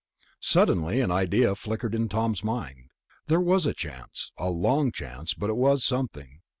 Suddenly an idea flickered in Tom's mind. It was a chance ... a long chance ... but it was something.